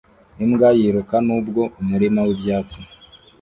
Imbwa yiruka nubwo umurima wibyatsi